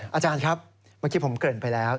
อาจารย์ครับเมื่อกี้ผมเกริ่นไปแล้ว